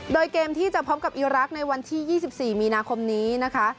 โดยเกมที่จะพบกับอีรักษ์ในวันที่๒๔มีนาคมนี้นะคะ